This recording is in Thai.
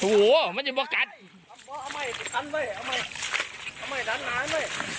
หัวมันอยู่บ้างกัน